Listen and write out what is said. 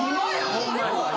ホンマに。